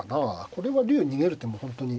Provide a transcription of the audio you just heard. これは竜逃げる手も本当に。